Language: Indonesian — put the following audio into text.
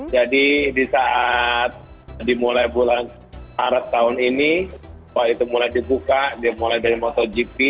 jadi di saat dimulai bulan arab tahun ini waktu itu mulai dibuka dimulai dari motogp